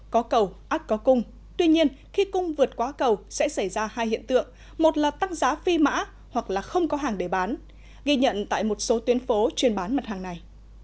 có cầu ác có cung tuy nhiên khi cung vượt quá cầu sẽ xảy ra hai hiện tượng một là tăng giá phi mã hoặc là không có hàng để bán ghi nhận tại một số tuyến phố chuyên bán mặt hàng này